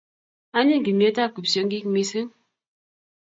Anyiny kimnyetap kipsiongik mising